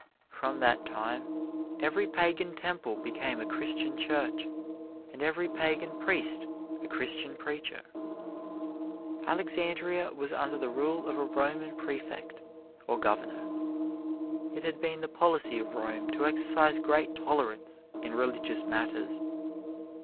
From that time every Pagan temple became a Christian church, and every Pagan priest a Christian preacher. Alexandria was under the rule of a Roman Prefect, or Governor. It had been the policy of Rome to exercise great tolerance in religious matters.